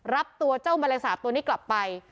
รับตัวเจ้าแมลงสาปตัวนี้กลับไป